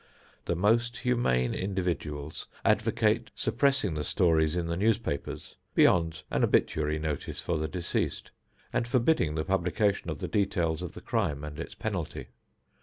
The most humane individuals advocate suppressing the stories in the newspapers, beyond an obituary notice for the deceased, and forbidding the publication of the details of the crime and its penalty.